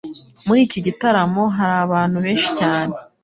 Muri iki gitaramo hari abantu benshi cyane.